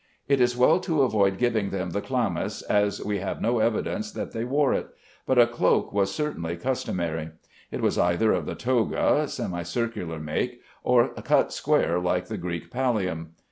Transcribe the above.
It is well to avoid giving them the chlamys, as we have no evidence that they wore it: but a cloak was certainly customary. It was either of the toga, semicircular make, or cut square like the Greek pallium.